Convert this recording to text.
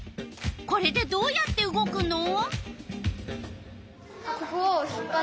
これでどうやって動くの？